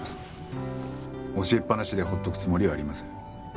教えっぱなしで放っとくつもりはありません。